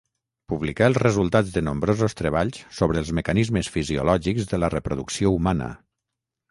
Publicà els resultats de nombrosos treballs sobre els mecanismes fisiològics de la reproducció humana.